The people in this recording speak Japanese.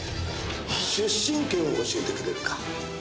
出身県教えてくれるか？